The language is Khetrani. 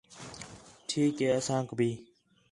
ٹھیک ہِے اسانک بھی